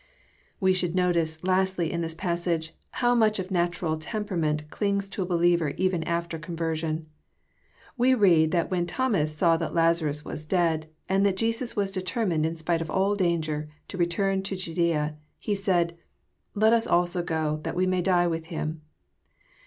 We should notice, lastly, in this passage, how much of natural temperament clings to a believer even after conversion. We read that when Thomas saw that Lazarus was dead, and that Jesus was determined, in spite of all danger, to return into Judaea, he said, ^' Let us also go, that we may die with Him."